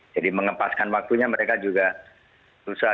jadi mengepaskan waktunya mereka juga susah